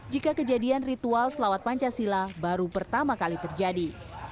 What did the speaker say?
jika kejadian ritual selawat pancasila baru pertama kali terjadi